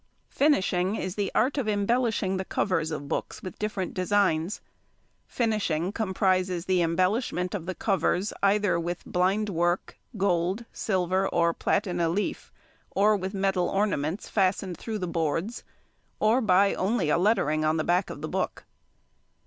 Finishing is the art of embellishing the covers of books with different designs. Finishing comprises the embellishment of the covers either with blind work, gold, silver or platina leaf, or with metal ornaments fastened through the boards, or by only a lettering on the back of the book.